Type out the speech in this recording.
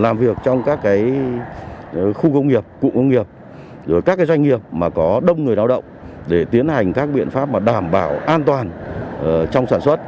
làm việc trong các khu công nghiệp cụ công nghiệp các doanh nghiệp mà có đông người lao động để tiến hành các biện pháp đảm bảo an toàn trong sản xuất